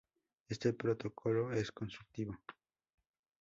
Este protocolo es consultivo.